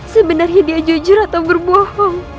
sebenarnya dia jujur atau berbohong